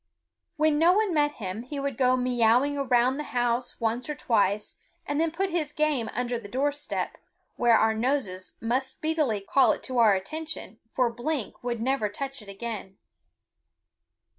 When no one met him he would go meowing round the house once or twice and then put his game under the door step, where our noses must speedily call it to our attention, for Blink would never touch it again.